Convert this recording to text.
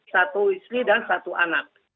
satu istri dan satu anak